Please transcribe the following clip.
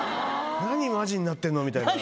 「何マジになってんの」みたいな。